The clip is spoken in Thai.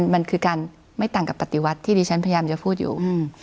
มันคือการไม่ต่างกับปฏิวัติที่ดิฉันพยายามจะพูดอยู่